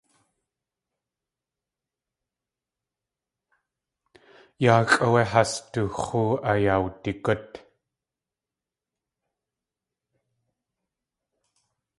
Yáaxʼ áwé has du x̲oo ayawdigút.